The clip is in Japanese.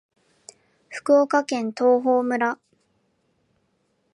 福岡県東峰村